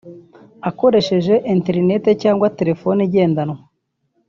akoresheje internet cyangwa telefone igendanwa